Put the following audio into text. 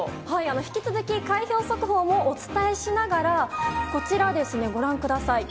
引き続き、開票速報もお伝えしながら、こちらご覧ください。